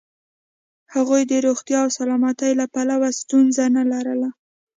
هغوی د روغتیا او سلامتیا له پلوه ستونزه نه لرله.